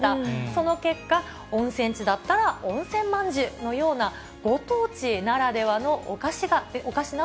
その結果、温泉地だったら温泉まんじゅうのようなご当地ならではのお菓子な